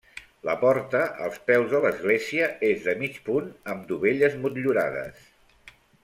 La porta, als peus de l'església, és de mig punt amb dovelles motllurades.